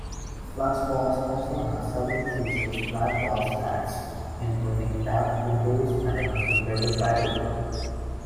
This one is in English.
Fluxbox also has several features Blackbox lacks, including tabbed windows and a configurable titlebar.